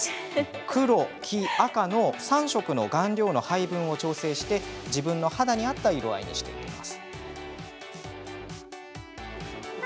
黒、黄、赤の３色の顔料の配分を調整して自分の肌に合った色合いにしていきます。